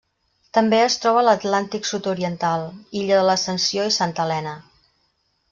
També es troba a l'Atlàntic sud-oriental: illa de l'Ascensió i Santa Helena.